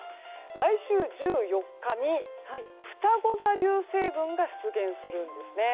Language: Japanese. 来週１４日にふたご座流星群が出現するんですね。